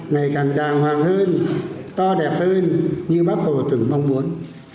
ngày càng đàng hoàng hơn to đẹp hơn như bác hồ từng mong muốn